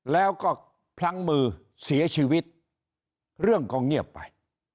แล้วก็พลั้งมือเสียชีวิตเรื่องก็เงียบไป